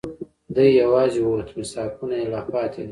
دی یواځي ووت، میثاقونه یې لا پاتې دي